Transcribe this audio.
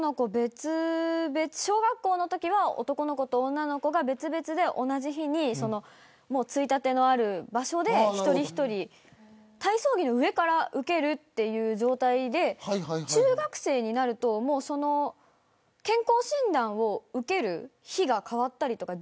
小学校のときは男の子と女の子が別々で同じ日についたてのある場所で一人一人体操着の上から受けるという状態で中学生になると健康診断を受ける日が変わったりとか。